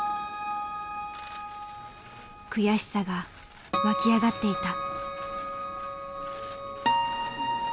悔しさが湧き上がっていた。